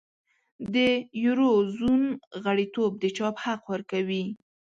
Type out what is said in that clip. د یورو زون غړیتوب د چاپ حق ورکوي.